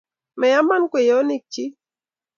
moyemon kweyonikchich